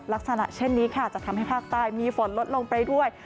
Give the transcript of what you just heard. ลักษณะเช่นนี้ค่ะจะทำให้ภาคใต้มีฝนลดลงไปด้วย